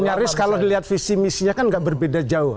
nyaris kalau dilihat visi misinya kan gak berbeda jauh